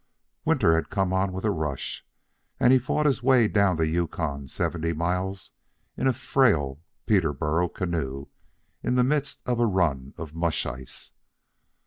Winter had come on with a rush, and he fought his way down the Yukon seventy miles in a frail Peterborough canoe in the midst of a run of mush ice.